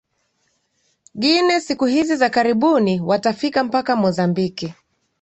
gine siku hizi za karibuni watafika mpaka mozambiki